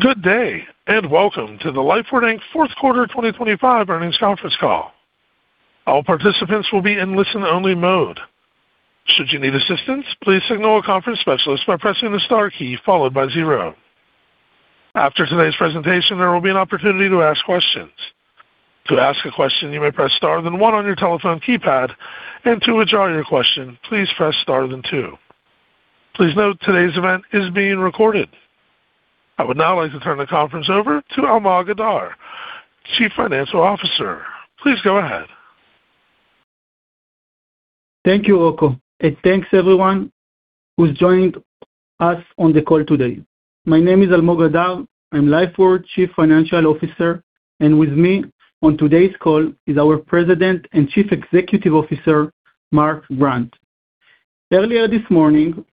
Good day, and welcome to the Lifeward Inc fourth quarter 2025 earnings conference call. All participants will be in listen-only mode. Should you need assistance, please signal a conference specialist by pressing the star key followed by zero. After today's presentation, there will be an opportunity to ask questions. To ask a question, you may press star then one on your telephone keypad, and to withdraw your question, please press star then two. Please note today's event is being recorded. I would now like to turn the conference over to Almog Adar, Chief Financial Officer. Please go ahead. Thank you, Rocco, and thanks, everyone who's joined us on the call today. My name is Almog Adar. I'm Lifeward's Chief Financial Officer, and with me on today's call is our President and Chief Executive Officer, Mark Grant. Earlier this morning,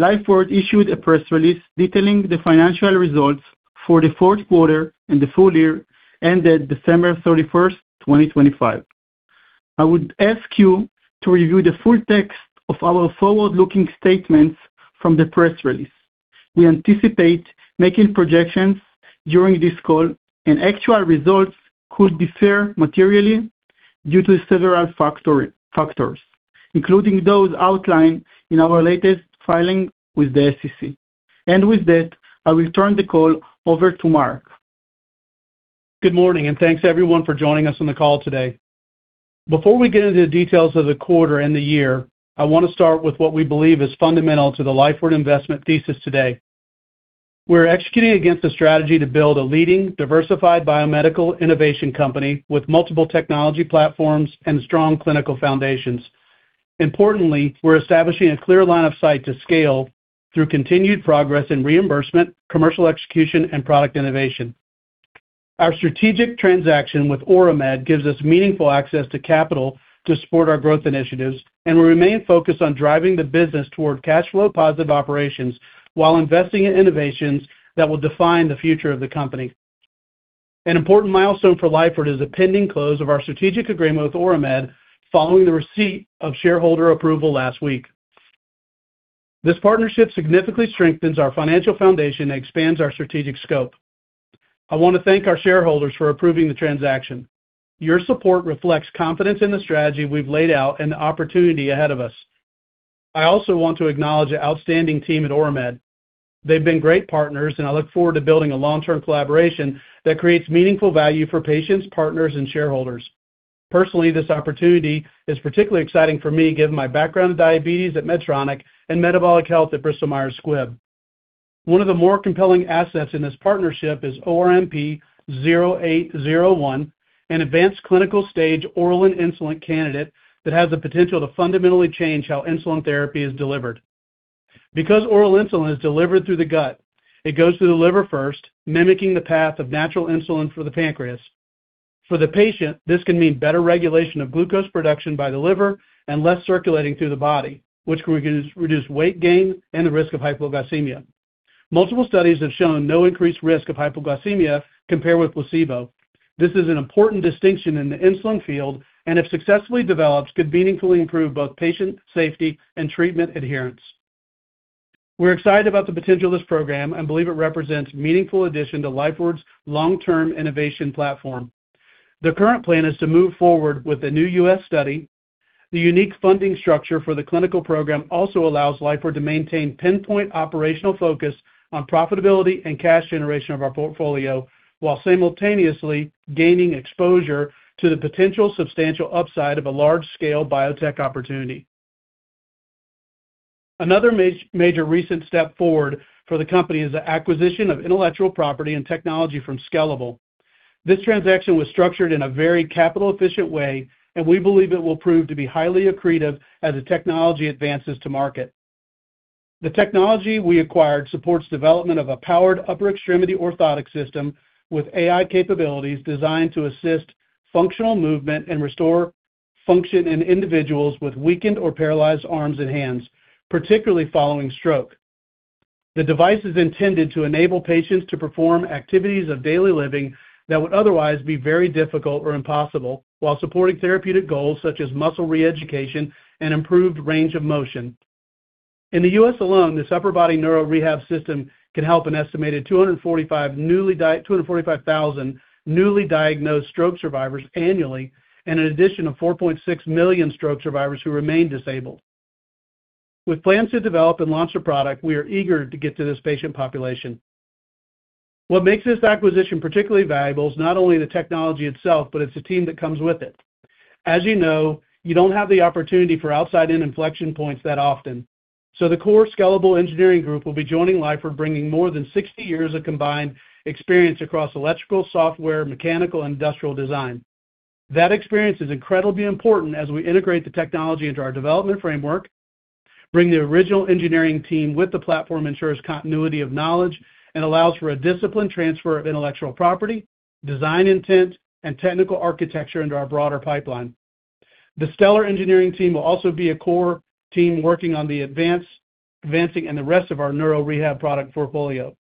Lifeward issued a press release detailing the financial results for the fourth quarter and the full year ended December 31st, 2025. I would ask you to review the full text of our forward-looking statements from the press release. We anticipate making projections during this call, and actual results could differ materially due to several factors, including those outlined in our latest filing with the SEC. With that, I will turn the call over to Mark. Good morning, and thanks, everyone, for joining us on the call today. Before we get into the details of the quarter and the year, I want to start with what we believe is fundamental to the Lifeward investment thesis today. We're executing against a strategy to build a leading diversified biomedical innovation company with multiple technology platforms and strong clinical foundations. Importantly, we're establishing a clear line of sight to scale through continued progress in reimbursement, commercial execution, and product innovation. Our strategic transaction with Oramed gives us meaningful access to capital to support our growth initiatives, and we remain focused on driving the business toward cash flow positive operations while investing in innovations that will define the future of the company. An important milestone for Lifeward is the pending close of our strategic agreement with Oramed following the receipt of shareholder approval last week. This partnership significantly strengthens our financial foundation and expands our strategic scope. I want to thank our shareholders for approving the transaction. Your support reflects confidence in the strategy we've laid out and the opportunity ahead of us. I also want to acknowledge the outstanding team at Oramed. They've been great partners, and I look forward to building a long-term collaboration that creates meaningful value for patients, partners, and shareholders. Personally, this opportunity is particularly exciting for me given my background in diabetes at Medtronic and metabolic health at Bristol Myers Squibb. One of the more compelling assets in this partnership is ORMD-0801, an advanced clinical stage oral insulin candidate that has the potential to fundamentally change how insulin therapy is delivered. Because oral insulin is delivered through the gut, it goes through the liver first, mimicking the path of natural insulin for the pancreas. For the patient, this can mean better regulation of glucose production by the liver and less circulating through the body, which can reduce weight gain and the risk of hypoglycemia. Multiple studies have shown no increased risk of hypoglycemia compared with placebo. This is an important distinction in the insulin field and, if successfully developed, could meaningfully improve both patient safety and treatment adherence. We're excited about the potential of this program and believe it represents meaningful addition to Lifeward's long-term innovation platform. The current plan is to move forward with the new U.S. study. The unique funding structure for the clinical program also allows Lifeward to maintain pinpoint operational focus on profitability and cash generation of our portfolio while simultaneously gaining exposure to the potential substantial upside of a large-scale biotech opportunity. Another major recent step forward for the company is the acquisition of intellectual property and technology from Skelable. This transaction was structured in a very capital efficient way, and we believe it will prove to be highly accretive as the technology advances to market. The technology we acquired supports development of a powered upper extremity orthotic system with AI capabilities designed to assist functional movement and restore function in individuals with weakened or paralyzed arms and hands, particularly following stroke. The device is intended to enable patients to perform activities of daily living that would otherwise be very difficult or impossible while supporting therapeutic goals such as muscle re-education and improved range of motion. In the U.S. alone, this upper body neuro rehab system can help an estimated 245,000 newly diagnosed stroke survivors annually and an addition of 4.6 million stroke survivors who remain disabled. With plans to develop and launch the product, we are eager to get to this patient population. What makes this acquisition particularly valuable is not only the technology itself, but it's the team that comes with it. As you know, you don't have the opportunity for outside in inflection points that often. The core Skelable engineering group will be joining Lifeward, bringing more than 60 years of combined experience across electrical, software, mechanical, and industrial design. That experience is incredibly important as we integrate the technology into our development framework. Bringing the original engineering team with the platform ensures continuity of knowledge and allows for a disciplined transfer of intellectual property, design intent, and technical architecture into our broader pipeline. The stellar engineering team will also be a core team working on advancing and the rest of our neuro rehab product portfolio.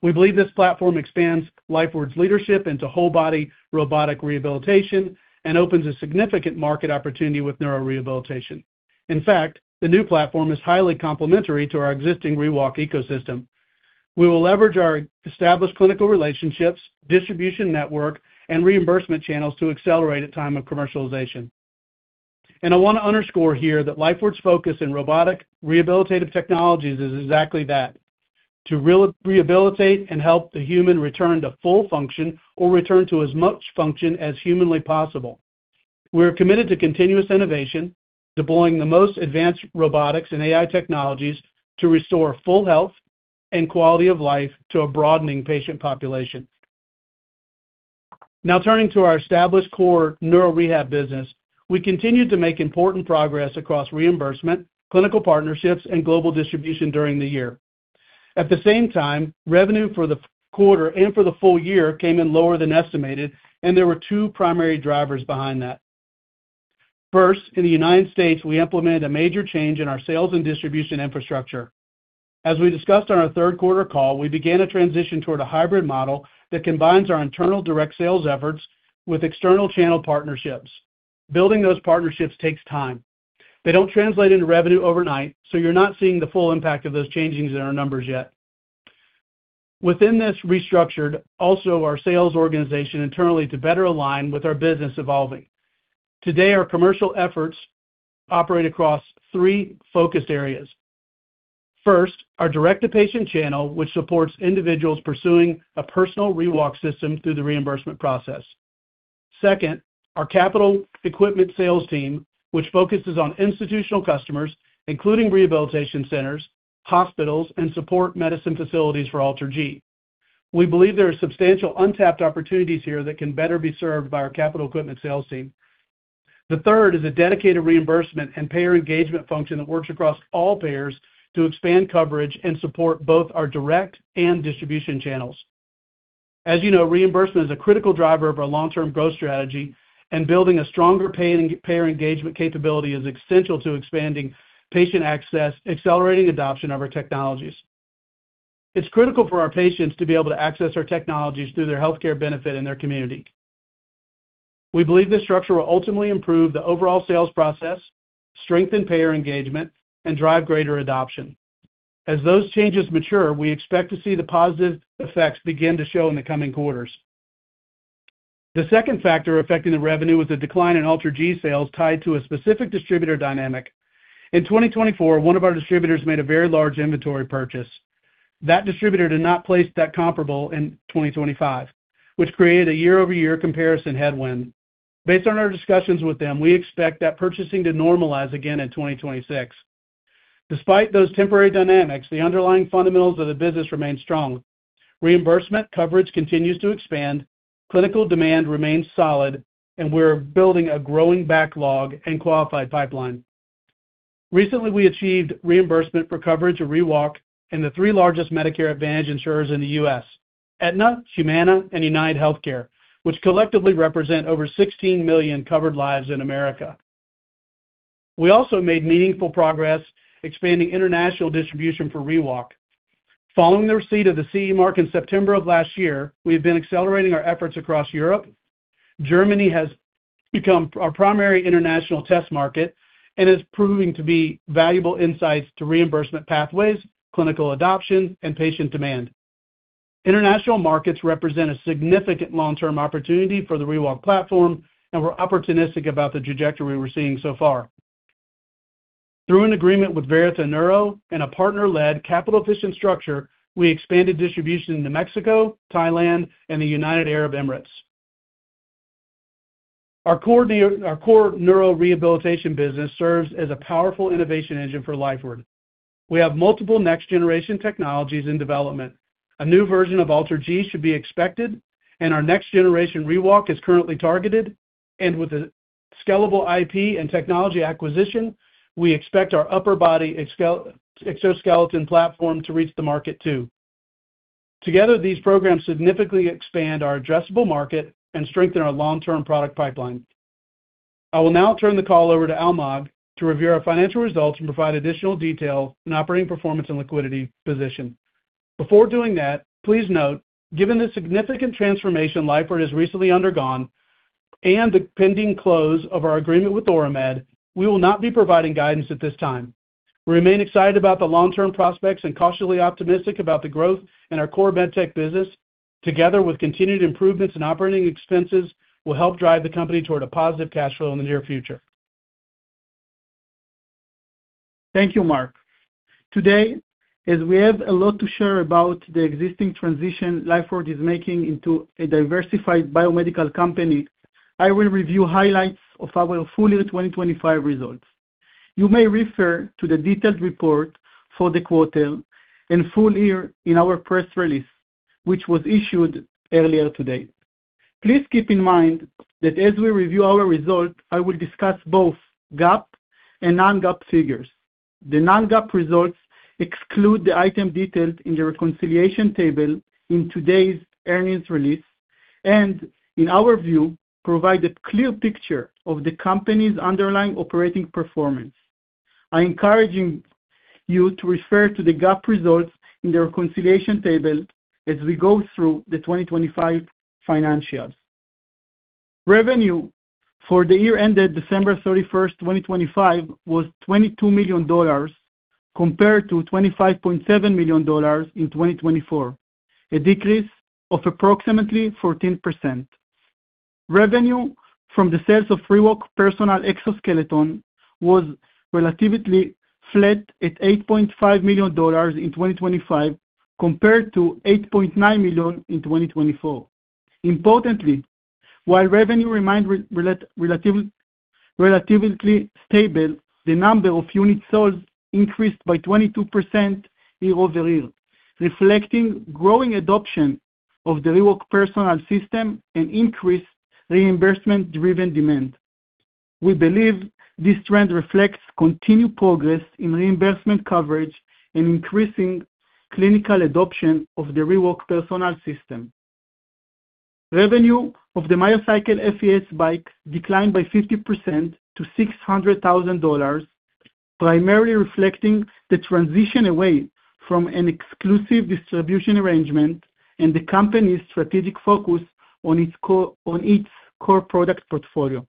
We believe this platform expands Lifeward's leadership into whole body robotic rehabilitation and opens a significant market opportunity with neuro rehabilitation. In fact, the new platform is highly complementary to our existing ReWalk ecosystem. We will leverage our established clinical relationships, distribution network, and reimbursement channels to accelerate at time of commercialization. I want to underscore here that Lifeward's focus in robotic rehabilitative technologies is exactly that, to rehabilitate and help the human return to full function or return to as much function as humanly possible. We're committed to continuous innovation, deploying the most advanced robotics and AI technologies to restore full health and quality of life to a broadening patient population. Now turning to our established core neuro rehab business. We continued to make important progress across reimbursement, clinical partnerships, and global distribution during the year. At the same time, revenue for the quarter and for the full year came in lower than estimated, and there were two primary drivers behind that. First, in the United States, we implemented a major change in our sales and distribution infrastructure. As we discussed on our third quarter call, we began a transition toward a hybrid model that combines our internal direct sales efforts with external channel partnerships. Building those partnerships takes time. They don't translate into revenue overnight, so you're not seeing the full impact of those changes in our numbers yet. Within this restructured, also our sales organization internally to better align with our business evolving. Today, our commercial efforts operate across three focus areas. First, our direct-to-patient channel, which supports individuals pursuing a personal ReWalk system through the reimbursement process. Second, our capital equipment sales team, which focuses on institutional customers, including rehabilitation centers, hospitals, and sports medicine facilities for AlterG. We believe there are substantial untapped opportunities here that can better be served by our capital equipment sales team. The third is a dedicated reimbursement and payer engagement function that works across all payers to expand coverage and support both our direct and distribution channels. As you know, reimbursement is a critical driver of our long-term growth strategy, and building a stronger payer engagement capability is essential to expanding patient access, accelerating adoption of our technologies. It's critical for our patients to be able to access our technologies through their healthcare benefit in their community. We believe this structure will ultimately improve the overall sales process, strengthen payer engagement, and drive greater adoption. As those changes mature, we expect to see the positive effects begin to show in the coming quarters. The second factor affecting the revenue was a decline in AlterG sales tied to a specific distributor dynamic. In 2024, one of our distributors made a very large inventory purchase. That distributor did not place that comparable in 2025, which created a year-over-year comparison headwind. Based on our discussions with them, we expect that purchasing to normalize again in 2026. Despite those temporary dynamics, the underlying fundamentals of the business remain strong. Reimbursement coverage continues to expand, clinical demand remains solid, and we're building a growing backlog and qualified pipeline. Recently, we achieved reimbursement for coverage of ReWalk in the three largest Medicare Advantage insurers in the U.S., Aetna, Humana, and UnitedHealthcare, which collectively represent over 16 million covered lives in America. We also made meaningful progress expanding international distribution for ReWalk. Following the receipt of the CE mark in September of last year, we have been accelerating our efforts across Europe. Germany has become our primary international test market and is proving to be valuable insights into reimbursement pathways, clinical adoption, and patient demand. International markets represent a significant long-term opportunity for the ReWalk platform, and we're opportunistic about the trajectory we're seeing so far. Through an agreement with Verita Neuro and a partner-led capital-efficient structure, we expanded distribution into Mexico, Thailand, and the United Arab Emirates. Our core neuro rehabilitation business serves as a powerful innovation engine for Lifeward. We have multiple next-generation technologies in development. A new version of AlterG should be expected, and our next generation ReWalk is currently targeted, and with the Skelable IP and technology acquisition, we expect our upper body exoskeleton platform to reach the market too. Together, these programs significantly expand our addressable market and strengthen our long-term product pipeline. I will now turn the call over to Almog to review our financial results and provide additional detail in operating performance and liquidity position. Before doing that, please note, given the significant transformation Lifeward has recently undergone and the pending close of our agreement with Oramed, we will not be providing guidance at this time. We remain excited about the long-term prospects and cautiously optimistic about the growth in our core med tech business, together with continued improvements in operating expenses, will help drive the company toward a positive cash flow in the near future. Thank you, Mark. Today, as we have a lot to share about the existing transition Lifeward is making into a diversified biomedical company, I will review highlights of our full year 2025 results. You may refer to the detailed report for the quarter and full year in our press release, which was issued earlier today. Please keep in mind that as we review our results, I will discuss both GAAP and non-GAAP figures. The non-GAAP results exclude the item detailed in the reconciliation table in today's earnings release and, in our view, provide a clear picture of the company's underlying operating performance. I encourage you to refer to the GAAP results in the reconciliation table as we go through the 2025 financials. Revenue for the year ended December 31st, 2025, was $22 million compared to $25.7 million in 2024, a decrease of approximately 14%. Revenue from the sales of ReWalk Personal Exoskeleton was relatively flat at $8.5 million in 2025 compared to $8.9 million in 2024. Importantly, while revenue remained relatively stable, the number of units sold increased by 22% year-over-year, reflecting growing adoption of the ReWalk Personal System and increased reimbursement-driven demand. We believe this trend reflects continued progress in reimbursement coverage and increasing clinical adoption of the ReWalk Personal System. Revenue of the MyoCycle FES bike declined by 50% to $600,000, primarily reflecting the transition away from an exclusive distribution arrangement and the company's strategic focus on its core product portfolio.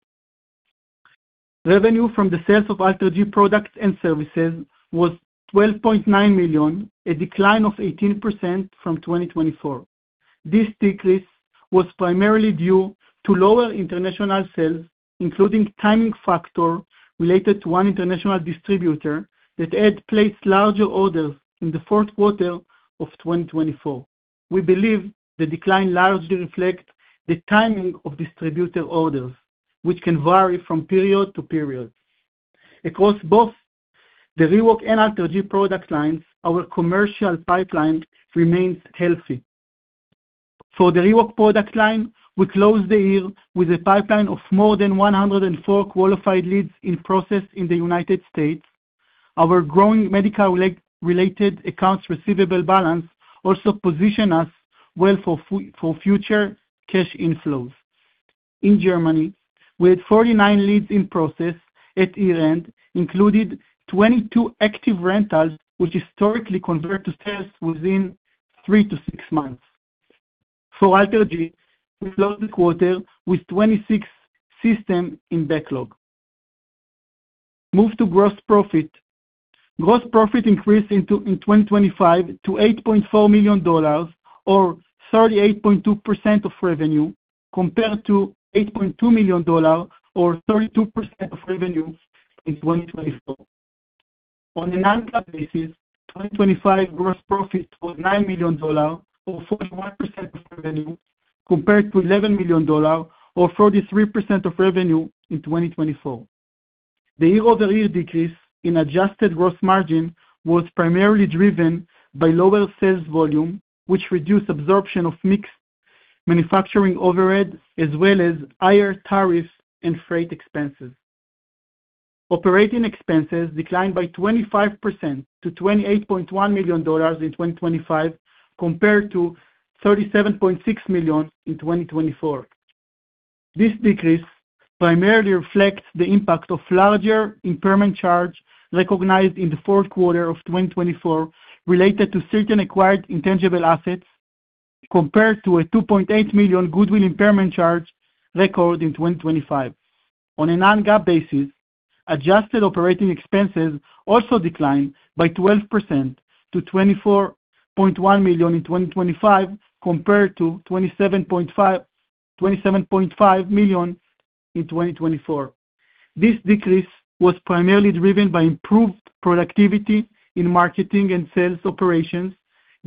Revenue from the sales of AlterG products and services was $12.9 million, a decline of 18% from 2024. This decrease was primarily due to lower international sales, including timing factor related to one international distributor that had placed larger orders in the fourth quarter of 2024. We believe the decline largely reflects the timing of distributor orders, which can vary from period to period. Across both the ReWalk and AlterG product lines, our commercial pipeline remains healthy. For the ReWalk product line, we closed the year with a pipeline of more than 104 qualified leads in process in the United States. Our growing medical leg-related accounts receivable balance also positions us well for future cash inflows. In Germany, we had 49 leads in process at year-end, including 22 active rentals which historically convert to sales within three to six months. For AlterG, we closed the quarter with 26 systems in backlog. Move to gross profit. Gross profit increased in 2025 to $8.4 million or 38.2% of revenue compared to $8.2 million or 32% of revenue in 2024. On a non-GAAP basis, 2025 gross profit was $9 million or 41% of revenue, compared to $11 million or 43% of revenue in 2024. The year-over-year decrease in adjusted gross margin was primarily driven by lower sales volume, which reduced absorption of fixed manufacturing overhead as well as higher tariffs and freight expenses. Operating expenses declined by 25% to $28.1 million in 2025 compared to $37.6 million in 2024. This decrease primarily reflects the impact of larger impairment charge recognized in the fourth quarter of 2024 related to certain acquired intangible assets, compared to a $2.8 million goodwill impairment charge recorded in 2025. On a non-GAAP basis, adjusted operating expenses also declined by 12% to $24.1 million in 2025 compared to $27.5 million in 2024. This decrease was primarily driven by improved productivity in marketing and sales operations,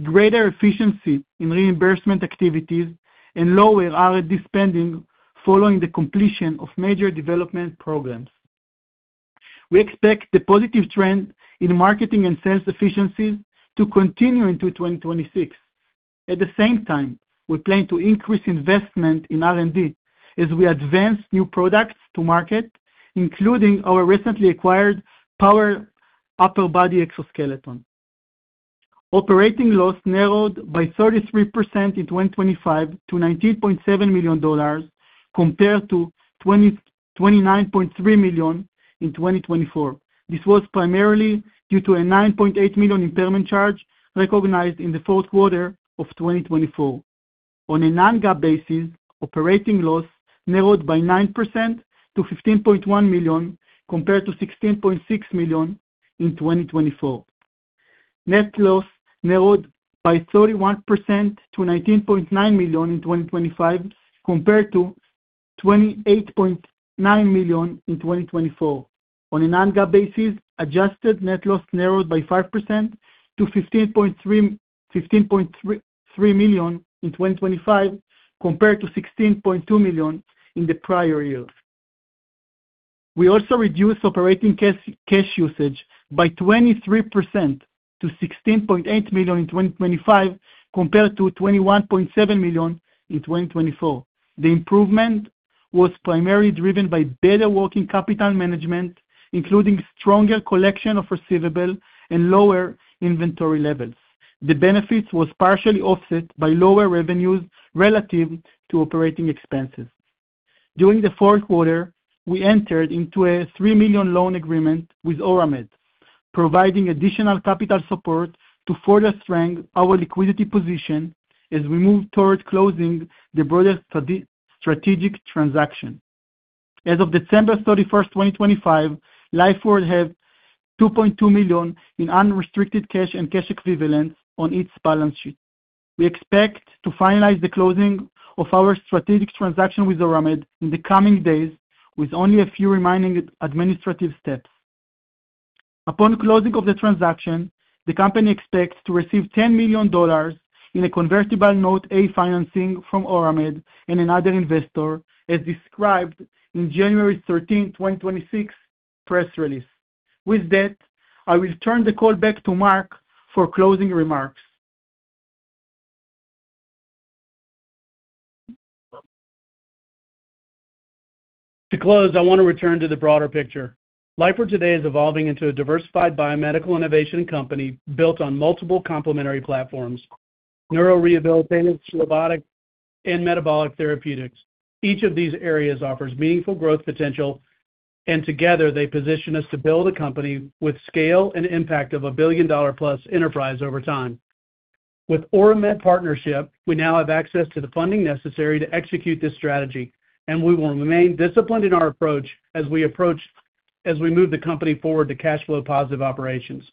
greater efficiency in reimbursement activities, and lower R&D spending following the completion of major development programs. We expect the positive trend in marketing and sales efficiencies to continue into 2026. At the same time, we plan to increase investment in R&D as we advance new products to market, including our recently acquired power upper body exoskeleton. Operating loss narrowed by 33% in 2025 to $19.7 million compared to $29.3 million in 2024. This was primarily due to a $9.8 million impairment charge recognized in the fourth quarter of 2024. On a non-GAAP basis, operating loss narrowed by 9% to $15.1 million compared to $16.6 million in 2024. Net loss narrowed by 31% to $19.9 million in 2025 compared to $28.9 million in 2024. On a non-GAAP basis, adjusted net loss narrowed by 5% to $15.3 million in 2025 compared to $16.2 million in the prior years. We also reduced operating cash usage by 23% to $16.8 million in 2025 compared to $21.7 million in 2024. The improvement was primarily driven by better working capital management, including stronger collection of receivables and lower inventory levels. The benefits was partially offset by lower revenues relative to operating expenses. During the fourth quarter, we entered into a $3 million loan agreement with Oramed, providing additional capital support to further strengthen our liquidity position as we move towards closing the broader strategic transaction. As of December 31, 2025, Lifeward had $2.2 million in unrestricted cash and cash equivalents on its balance sheet. We expect to finalize the closing of our strategic transaction with Oramed in the coming days, with only a few remaining administrative steps. Upon closing of the transaction, the company expects to receive $10 million in a convertible note, a financing from Oramed and another investor, as described in January 13th, 2026, press release. With that, I will turn the call back to Mark for closing remarks. To close, I want to return to the broader picture. Lifeward today is evolving into a diversified biomedical innovation company built on multiple complementary platforms, neurorehabilitation, robotics, and metabolic therapeutics. Each of these areas offers meaningful growth potential, and together they position us to build a company with scale and impact of a billion-dollar-plus enterprise over time. With Oramed partnership, we now have access to the funding necessary to execute this strategy, and we will remain disciplined in our approach as we move the company forward to cash flow positive operations.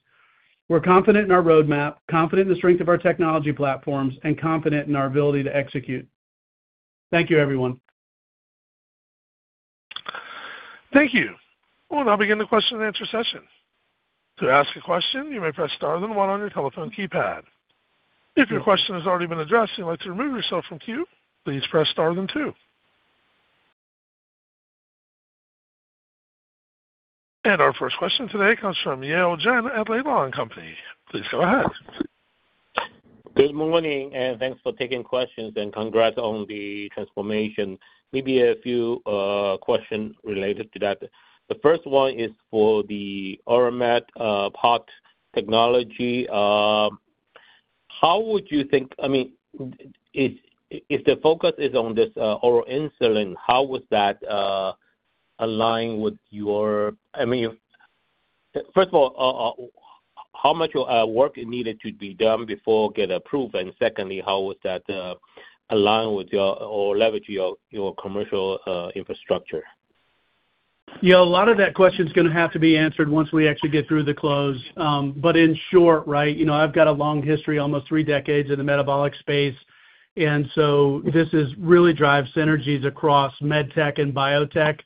We're confident in our roadmap, confident in the strength of our technology platforms, and confident in our ability to execute. Thank you, everyone. Thank you. We'll now begin the question and answer session. To ask a question, you may press star then one on your telephone keypad. If your question has already been addressed and you'd like to remove yourself from queue, please press star then two. Our first question today comes from Yi-Jen at Ladenburg Thalmann. Please go ahead. Good morning, and thanks for taking questions and congrats on the transformation. Maybe a few questions related to that. The first one is for the Oramed POD technology. I mean, if the focus is on this oral insulin, how would that align with your? I mean, first of all, how much work is needed to be done before get approved? And secondly, how would that align with your or leverage your commercial infrastructure? Yeah, a lot of that question is gonna have to be answered once we actually get through the close. In short, right, you know, I've got a long history, almost three decades in the metabolic space, and so this is really drive synergies across med tech and biotech.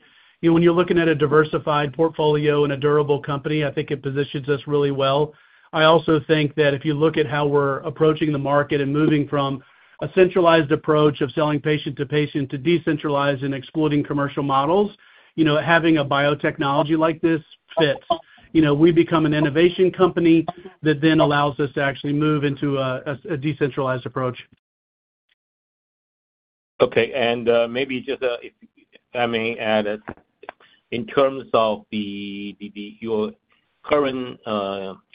You know, when you're looking at a diversified portfolio and a durable company, I think it positions us really well. I also think that if you look at how we're approaching the market and moving from a centralized approach of selling patient to patient to decentralized and excluding commercial models, you know, having a biotechnology like this fits. You know, we become an innovation company that then allows us to actually move into a decentralized approach. Okay. Maybe just if I may add it. In terms of your current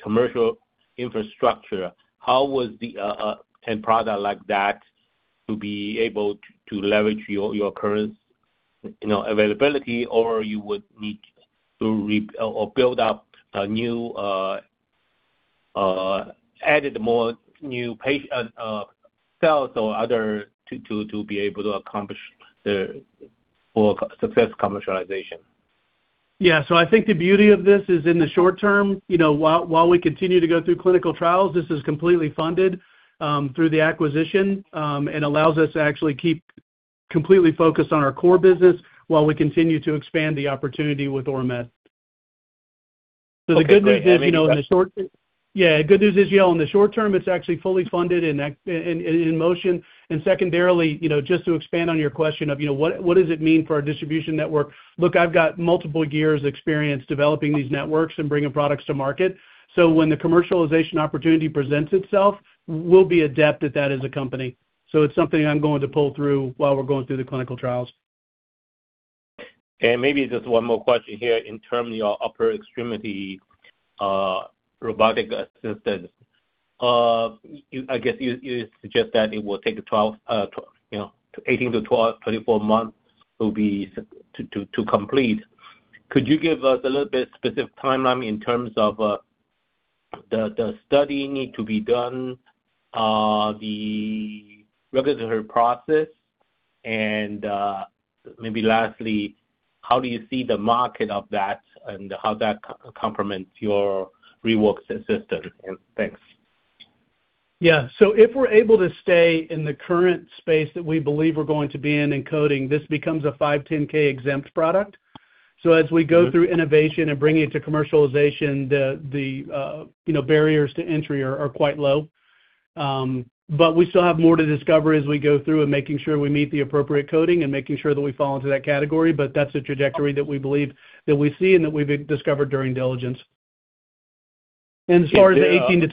commercial infrastructure, how would the end product like that be able to leverage your current, you know, availability, or you would need to build up a new sales force or other to be able to accomplish successful commercialization? Yeah. I think the beauty of this is in the short term. You know, while we continue to go through clinical trials, this is completely funded through the acquisition and allows us to actually keep completely focused on our core business while we continue to expand the opportunity with Oramed. The good news is, you know, in the short- Okay. Yeah. Good news is, Yale, in the short term, it's actually fully funded and in motion. Secondarily, you know, just to expand on your question of, you know, what does it mean for our distribution network? Look, I've got multiple years experience developing these networks and bringing products to market. When the commercialization opportunity presents itself, we'll be adept at that as a company. It's something I'm going to pull through while we're going through the clinical trials. Maybe just one more question here. In terms of your upper extremity robotic assistance, I guess you suggest that it will take 18-24 months to complete. Could you give us a little bit specific timeline in terms of the study need to be done, the regulatory process and maybe lastly, how do you see the market of that and how that complements your ReWalk system? Thanks. Yeah. If we're able to stay in the current space that we believe we're going to be in in coding, this becomes a 510(k)-exempt product. As we go through innovation and bringing it to commercialization, the barriers to entry are quite low. We still have more to discover as we go through and making sure we meet the appropriate coding and making sure that we fall into that category. That's the trajectory that we believe that we see and that we've discovered during diligence.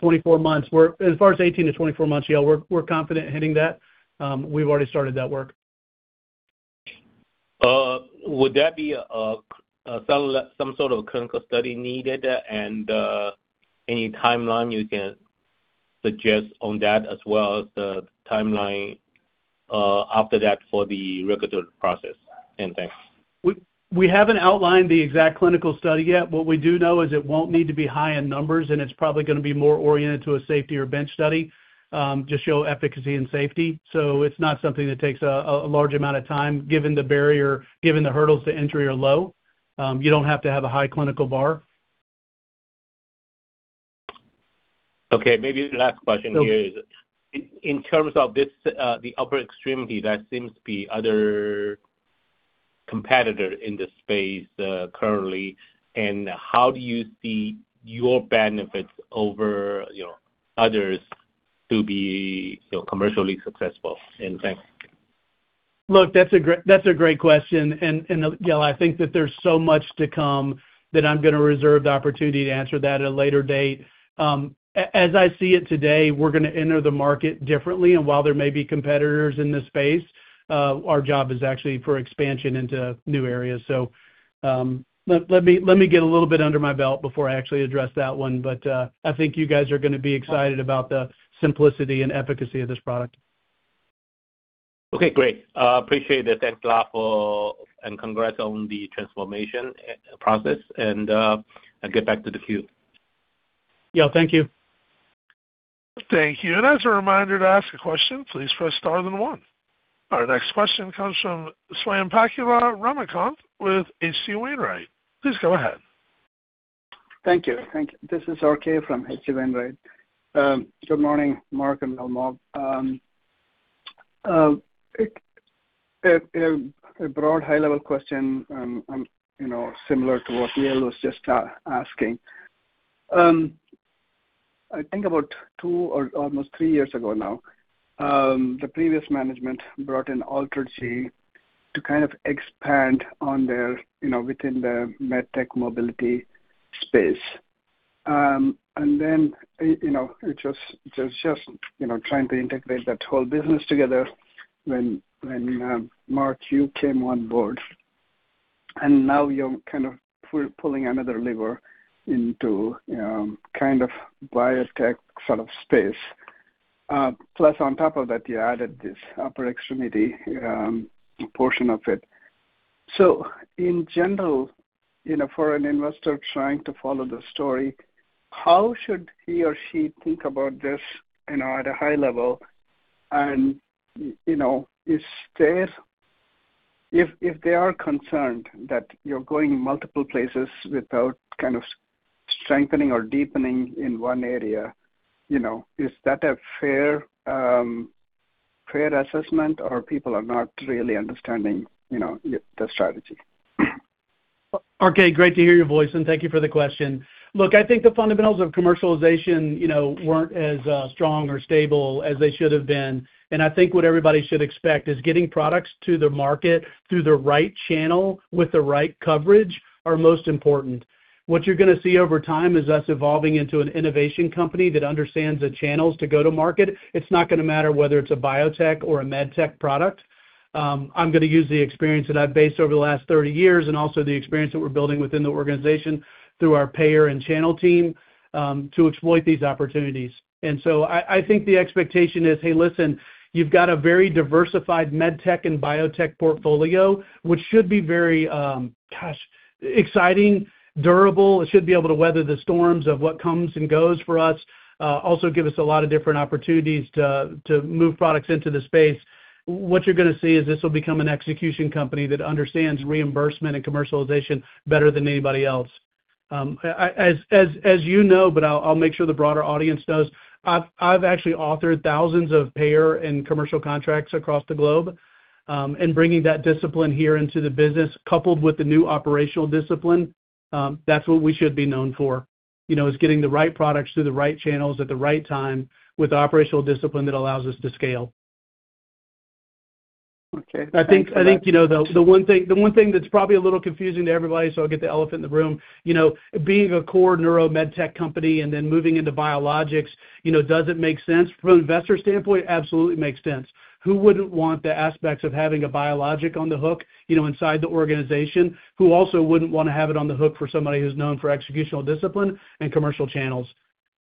As far as the 18-24 months, we're confident hitting that. We've already started that work. Would that be some sort of clinical study needed there? Any timeline you can suggest on that as well as the timeline after that for the regulatory process. Thanks. We haven't outlined the exact clinical study yet. What we do know is it won't need to be high in numbers, and it's probably gonna be more oriented to a safety or bench study, to show efficacy and safety. It's not something that takes a large amount of time, given the barrier, given the hurdles to entry are low. You don't have to have a high clinical bar. Okay, maybe the last question here is in terms of this, the upper extremity, there seems to be other competitor in this space, currently, and how do you see your benefits over, you know, others to be, you know, commercially successful? And thanks. Look, that's a great question. Yeah, I think that there's so much to come that I'm gonna reserve the opportunity to answer that at a later date. As I see it today, we're gonna enter the market differently. While there may be competitors in this space, our job is actually for expansion into new areas. Let me get a little bit under my belt before I actually address that one. I think you guys are gonna be excited about the simplicity and efficacy of this product. Okay, great. Appreciate it. Thanks a lot. Congrats on the transformation process, and I get back to the queue. Yeah, thank you. Thank you. As a reminder to ask a question, please press star then one. Our next question comes from Swayampakula Ramakanth with H.C. Wainwright & Co. Please go ahead. Thank you. Thank you. This is RK from H.C. Wainwright. Good morning, Mark and Almog. A broad high-level question, you know, similar to what Yale was just asking. I think about two or almost three years ago now, the previous management brought in AlterG to kind of expand on their, you know, within the med tech mobility space. And then, you know, it just, you know, trying to integrate that whole business together when Mark, you came on board, and now you're kind of pulling another lever into, kind of biotech sort of space. Plus on top of that, you added this upper extremity portion of it. In general, you know, for an investor trying to follow the story, how should he or she think about this, you know, at a high level? You know, if they are concerned that you're going multiple places without kind of strengthening or deepening in one area, you know, is that a fair assessment or people are not really understanding, you know, the strategy? RK, great to hear your voice, and thank you for the question. Look, I think the fundamentals of commercialization, you know, weren't as strong or stable as they should have been. I think what everybody should expect is getting products to the market through the right channel with the right coverage are most important. What you're gonna see over time is us evolving into an innovation company that understands the channels to go to market. It's not gonna matter whether it's a biotech or a med tech product. I'm gonna use the experience that I've gained over the last 30 years and also the experience that we're building within the organization through our payer and channel team to exploit these opportunities. I think the expectation is, hey, listen, you've got a very diversified med tech and biotech portfolio, which should be very, gosh, exciting, durable. It should be able to weather the storms of what comes and goes for us. Also give us a lot of different opportunities to move products into the space. What you're gonna see is this will become an execution company that understands reimbursement and commercialization better than anybody else. As you know, but I'll make sure the broader audience does, I've actually authored thousands of payer and commercial contracts across the globe. Bringing that discipline here into the business coupled with the new operational discipline, that's what we should be known for. You know, is getting the right products through the right channels at the right time with the operational discipline that allows us to scale. Okay. I think, you know, the one thing that's probably a little confusing to everybody, so I'll get the elephant in the room. You know, being a core neuro med tech company and then moving into biologics, you know, does it make sense? From an investor standpoint, it absolutely makes sense. Who wouldn't want the aspects of having a biologic on the hook, you know, inside the organization? Who also wouldn't wanna have it on the hook for somebody who's known for executional discipline and commercial channels?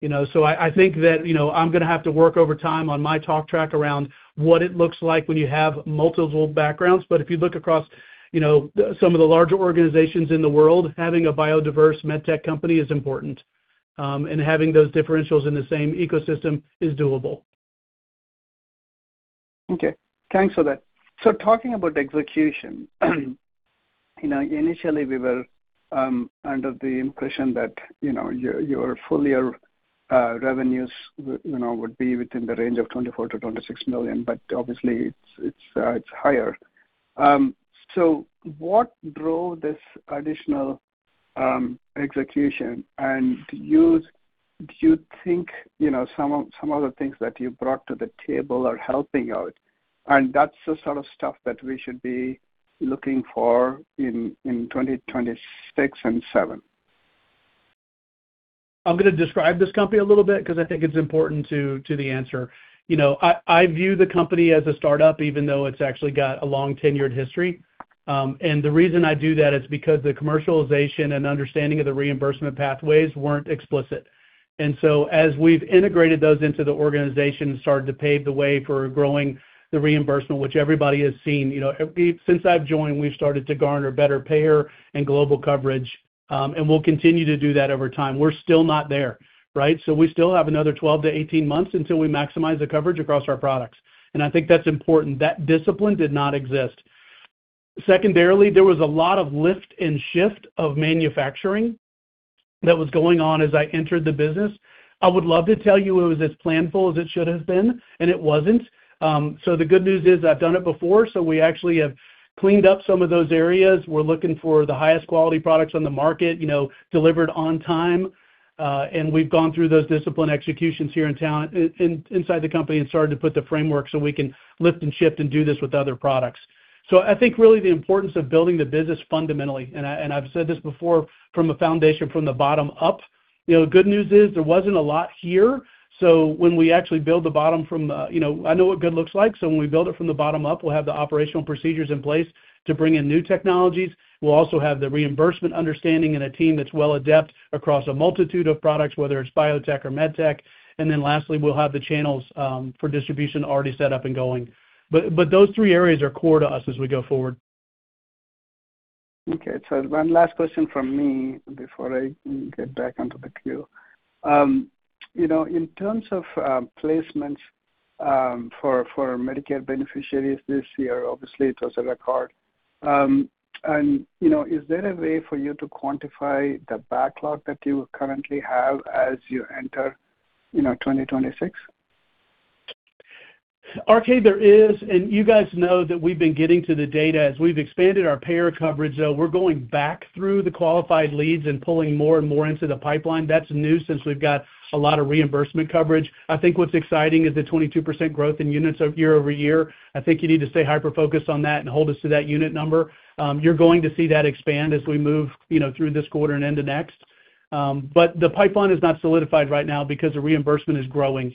You know, I think that, you know, I'm gonna have to work over time on my talk track around what it looks like when you have multiple backgrounds. If you look across, you know, some of the larger organizations in the world, having a biodiverse med tech company is important, and having those differentials in the same ecosystem is doable. Okay. Thanks for that. Talking about execution, you know, initially we were under the impression that, you know, your full year revenues would be within the range of $24 million-$26 million, but obviously it's higher. What drove this additional execution? And do you think, you know, some of the things that you brought to the table are helping out, and that's the sort of stuff that we should be looking for in 2026 and 2027? I'm gonna describe this company a little bit because I think it's important to the answer. You know, I view the company as a startup even though it's actually got a long tenured history. The reason I do that is because the commercialization and understanding of the reimbursement pathways weren't explicit. As we've integrated those into the organization and started to pave the way for growing the reimbursement, which everybody has seen, you know, since I've joined, we've started to garner better payer and global coverage, and we'll continue to do that over time. We're still not there, right? We still have another 12-18 months until we maximize the coverage across our products. I think that's important. That discipline did not exist. Secondarily, there was a lot of lift and shift of manufacturing that was going on as I entered the business. I would love to tell you it was as planful as it should have been, and it wasn't. The good news is I've done it before, so we actually have cleaned up some of those areas. We're looking for the highest quality products on the market, you know, delivered on time. And we've gone through those disciplined executions inside the company and started to put the framework so we can lift and shift and do this with other products. I think really the importance of building the business fundamentally, and I've said this before from a foundation from the bottom up, you know, the good news is there wasn't a lot here. When we actually, you know, I know what good looks like, so when we build it from the bottom up, we'll have the operational procedures in place to bring in new technologies. We'll also have the reimbursement understanding and a team that's well adept across a multitude of products, whether it's biotech or medtech. Then lastly, we'll have the channels for distribution already set up and going. Those three areas are core to us as we go forward. Okay. One last question from me before I get back onto the queue. You know, in terms of placements for Medicare beneficiaries this year, obviously it was a record. You know, is there a way for you to quantify the backlog that you currently have as you enter 2026? RK, there is, you guys know that we've been getting to the data. As we've expanded our payer coverage, though, we're going back through the qualified leads and pulling more and more into the pipeline. That's new since we've got a lot of reimbursement coverage. I think what's exciting is the 22% growth in units year-over-year. I think you need to stay hyper-focused on that and hold us to that unit number. You're going to see that expand as we move, you know, through this quarter and into next. The pipeline is not solidified right now because the reimbursement is growing.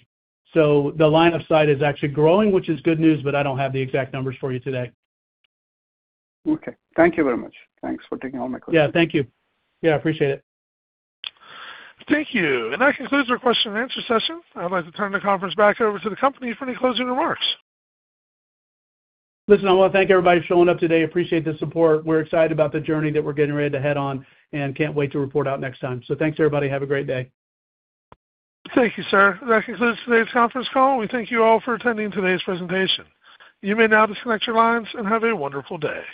The line of sight is actually growing, which is good news, but I don't have the exact numbers for you today. Okay. Thank you very much. Thanks for taking all my questions. Yeah, thank you. Yeah, appreciate it. Thank you. That concludes our question and answer session. I'd like to turn the conference back over to the company for any closing remarks. Listen, I wanna thank everybody for showing up today. Appreciate the support. We're excited about the journey that we're getting ready to head on and can't wait to report out next time. Thanks, everybody. Have a great day. Thank you, sir. That concludes today's conference call. We thank you all for attending today's presentation. You may now disconnect your lines and have a wonderful day.